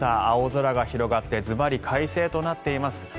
青空が広がってズバリ快晴となっています。